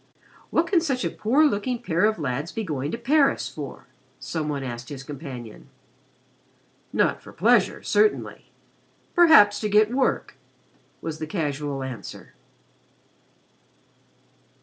"What can such a poor looking pair of lads be going to Paris for?" some one asked his companion. "Not for pleasure, certainly; perhaps to get work," was the casual answer.